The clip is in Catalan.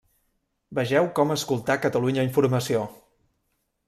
Vegeu Com escoltar Catalunya Informació.